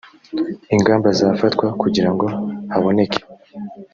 ingamba zafatwa kugira ngo haboneke